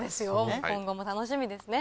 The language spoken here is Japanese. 今後も楽しみですね。